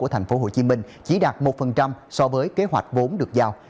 của tp hcm chỉ đạt một so với kế hoạch vốn được giao